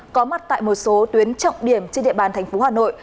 có mặt tại một số tuyến trọng điểm trên địa bàn thành phố hà nội